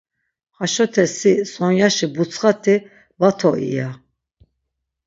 Haşote si Sonya’şi butsxati va to iya.